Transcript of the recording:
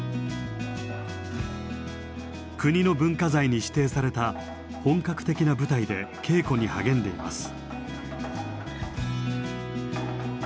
国の文化財に指定された本格的な舞台で稽古に励んでいます。